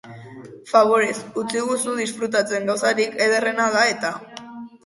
Faborez, utziguzu disfrutatzen, gauzarik ederrena da eta.